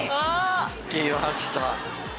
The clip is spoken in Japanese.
きました。